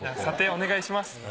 査定お願いします。